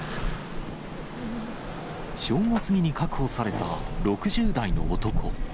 正午過ぎに確保された６０代の男。